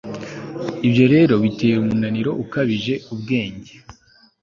Ibyo rero bitera umunaniro ukabije ubwenge